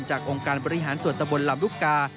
จากองค์การบริหารสวนตะบนลำรุกา